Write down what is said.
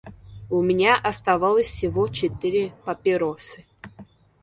У меня оставалось всего четыре папиросы.